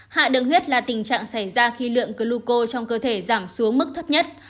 hạ đường huyết là tình trạng xảy ra khi lượng cluco trong cơ thể giảm xuống mức thấp nhất